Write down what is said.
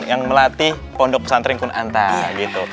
yang melatih pondok pesantren kunanta gitu